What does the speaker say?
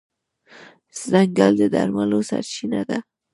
ځنګل د درملو سرچینه ده.